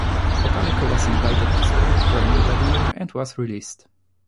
Bottalico was invited to spring training that year, and was released.